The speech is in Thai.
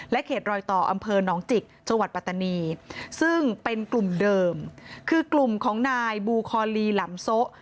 เขตรอยต่ออำเภอหนองจิกจังหวัดปัตตานีซึ่งเป็นกลุ่มเดิมคือกลุ่มของนายบูคอลีหลำโซะ